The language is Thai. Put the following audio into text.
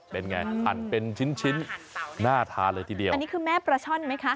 เป็นไงหั่นเป็นชิ้นชิ้นน่าทานเลยทีเดียวอันนี้คือแม่ปลาช่อนไหมคะ